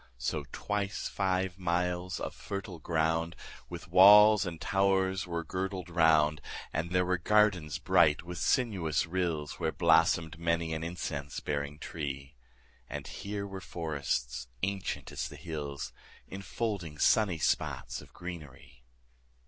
5 So twice five miles of fertile ground With walls and towers were girdled round: And there were gardens bright with sinuous rills Where blossom'd many an incense bearing tree; And here were forests ancient as the hills, 10 Enfolding sunny spots of greenery.